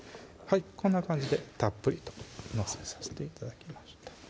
こんな感じでたっぷりと載せさせて頂きました